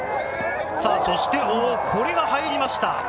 そしてこれが入りました。